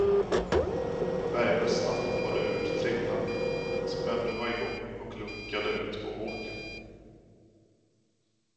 Bergmästaren hoppade ur trillan, som ännu var i gång och lunkade ut på åkern.